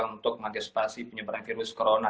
untuk mengantisipasi penyebaran virus corona